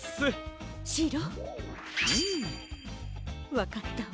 わかったわ。